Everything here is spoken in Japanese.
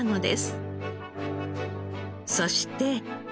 そして。